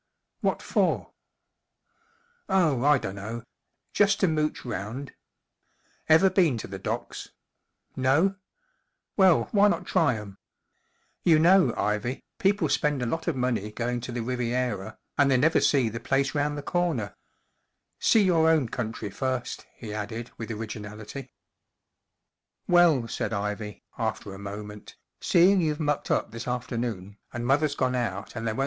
" What for ?"" Oh, I dunno. Just to mooch round. Ever been to the docks ? No ? Well* why not try 'em ? You know* Ivy* people spend a lot of money going to the Riviera, and they never see the place round the corner. See your own country first*" he added* with originality, M Well/' said Ivy, after a moment* lf seeing you've mucked up this afternoon* and mother's gone out and there won't be any A _ T I I a. <" What do you mean